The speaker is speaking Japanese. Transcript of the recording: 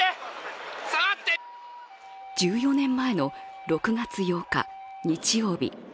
１４年前の６月８日、日曜日。